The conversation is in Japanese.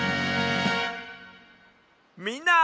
みんな！